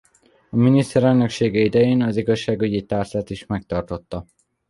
Miniszterelnöksége idején az igazságügyi tárcát is megtartotta.